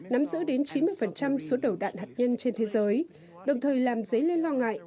nắm giữ đến chín mươi số đầu đạn hạt nhân trên thế giới đồng thời làm dấy lên lo ngại